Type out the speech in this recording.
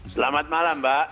selamat malam mbak